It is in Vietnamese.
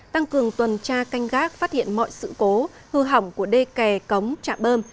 tăng cường tuần tra canh gác phát hiện mọi sự cố hư hỏng của đê kè cống trạm bơm